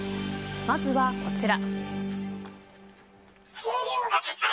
まずはこちら。